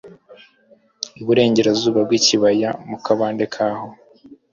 i burengerazuba bw'ikibaya mu kabande kaho.